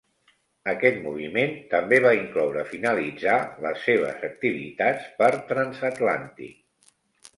Aquest moviment també va incloure finalitzar les seves activitats per Transatlantic.